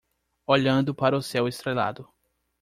Olhando para o céu estrelado